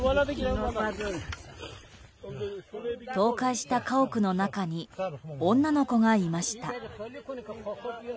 倒壊した家屋の中に女の子がいました。